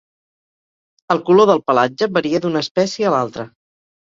El color del pelatge varia d'una espècie a l'altra.